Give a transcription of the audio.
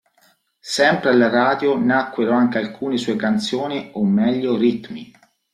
Sempre alla radio nacquero anche alcune sue canzoni o meglio "ritmi".